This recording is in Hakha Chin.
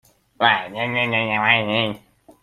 Zeitik ah dah biahal na manh lai?